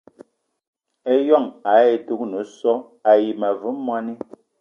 Ijon ayì dúgne so àyi ma ve mwani